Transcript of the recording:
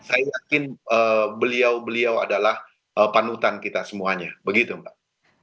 saya yakin beliau beliau adalah panutan kita semuanya begitu mbak